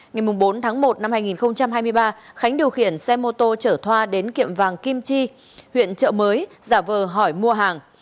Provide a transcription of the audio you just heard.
ngày bốn tháng một năm hai nghìn hai mươi ba khánh điều khiển xe mô tô chở thoa đến kiệm vàng kim chi huyện trợ mới giả vờ hỏi mua hàng